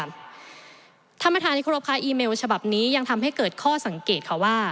ท่านประธานที่ครบค่ะอีเมลฉบับนี้ยังทำให้เกิดข้อสังเกตค่ะว่า